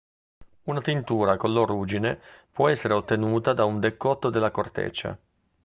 Una tintura color ruggine può essere ottenuta da un decotto della corteccia.